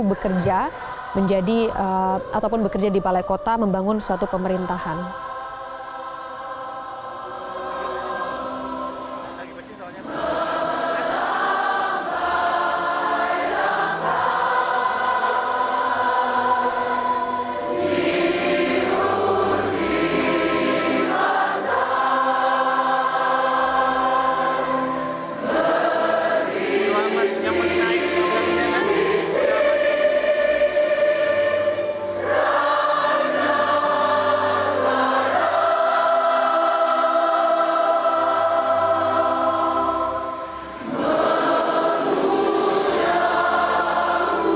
berbicara tentang penyelidikan yang telah dilakukan oleh bapak ibu